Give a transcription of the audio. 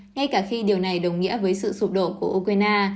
ngay cả khi điều này đồng nghĩa với sự sụp đổ của ukraine